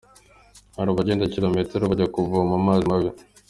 Hari abagenda kilometero bajya kuvoma amazi mabi.